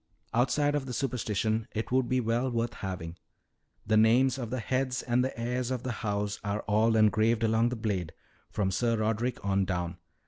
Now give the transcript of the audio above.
"Outside of the superstition, it would be well worth having. The names of the heads and heirs of the house are all engraved along the blade, from Sir Roderick on down.